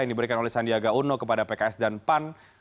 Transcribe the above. yang diberikan oleh sandiaga uno kepada pks dan pan